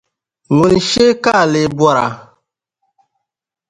ŋun shee ka a lee bɔra?